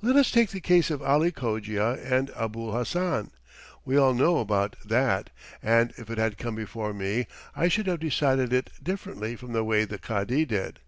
"Let us take the case of Ali Cogia and Abul Hassan. We all know about that, and if it had come before me I should have decided it differently from the way the Cadi did."